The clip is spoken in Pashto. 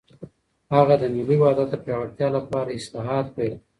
هغه د ملي وحدت د پیاوړتیا لپاره اصلاحات پیل کړل.